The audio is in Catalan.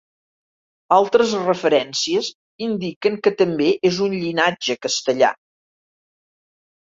Altres referències indiquen que també és un llinatge castellà.